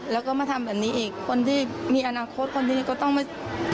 แล้วก็มาทำแบบนี้อีกคนที่มีอนาคตคนนี้ก็ต้องไม่